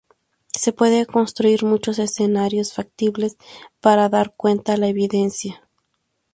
Se pueden construir muchos escenarios factibles para dar cuenta de la evidencia.